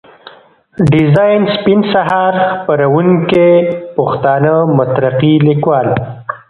ډيزاين سپين سهار، خپروونکی پښتانه مترقي ليکوال.